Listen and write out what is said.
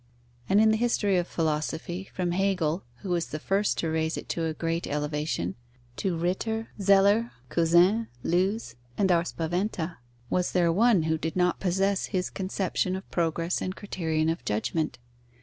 And in the history of philosophy, from Hegel, who was the first to raise it to a great elevation, to Ritter, Zeller, Cousin, Lewes, and our Spaventa, was there one who did not possess his conception of progress and criterion of judgment?